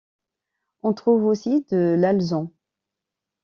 On trouve aussi de l'alezan.